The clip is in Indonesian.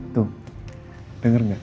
tuh denger gak